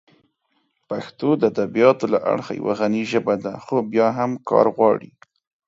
پښتو د ادبیاتو له اړخه یوه غني ژبه ده، خو بیا هم کار غواړي.